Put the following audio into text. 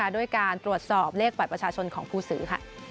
ด้วยการตรวจสอบเลขบัตรประชาชนของผู้ซื้อ